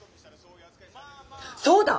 そうだ！